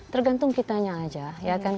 tergantung kitanya aja ya kan